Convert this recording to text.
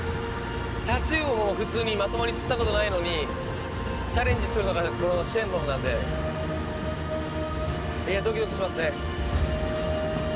タチウオを普通にまともに釣ったことないのにチャレンジするのがこの神龍なんでいやドキドキしますね。